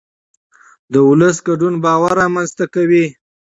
د ولس ګډون باور رامنځته کوي